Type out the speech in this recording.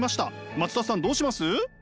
松田さんどうします？